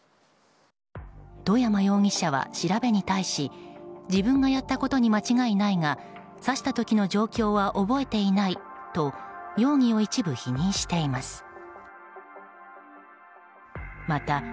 外山容疑者は、調べに対し自分がやったことに間違いないが刺した時の状況は覚えていないと容疑を一部否認しています。